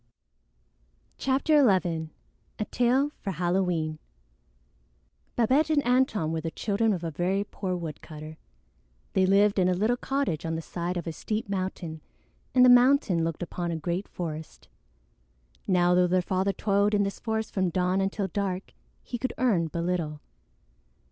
CHAPTER XI A TALE FOR HALLOWEEN Babette and Antone were the children of a very poor woodcutter. They lived in a little cottage on the side of a steep mountain, and the mountain looked upon a great forest. Now though their father toiled in this forest from dawn until dark, he could earn but little.